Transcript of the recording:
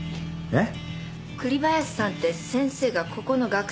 えっ？